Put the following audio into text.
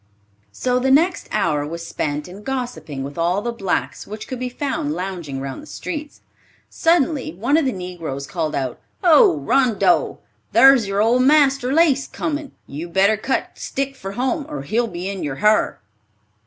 So the next hour was spent in gossiping with all the blacks which could be found lounging round the streets. Suddenly one of the negroes called out, "Ho, Rondeau! Thar's yer old marster Lace comin'. You'd better cut stick for home, or he'll be in yer har."